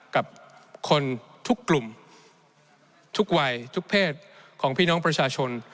กับคนทุกกลุ่มทุกวัยทุกเพศของพี่น้องประชาชน